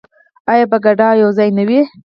آیا په ګډه او یوځای نه وي؟